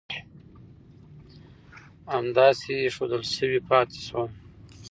همداسې اېښودل شوي پاتې شول.